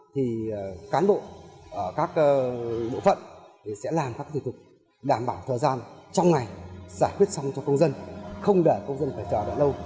thì cán bộ ở các bộ phận sẽ làm các thủ tục đảm bảo thời gian trong ngày giải quyết xong cho công dân không để công dân phải chờ đợi lâu